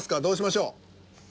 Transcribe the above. どうしましょう。